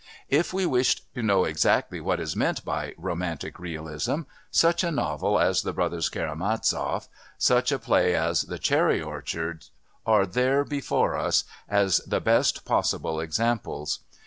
If we wished to know exactly what is meant by Romantic Realism, such a novel as The Brothers Karamazov, such a play as The Cherry Orchard are there before us, as the best possible examples.